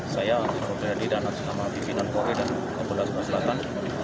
saya rupi hadi dan anak senama bimbinan polri dan kapolda sumatera selatan